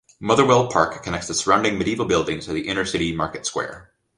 Motherwell Park connects the surrounding medieval buildings to the inner-city market square.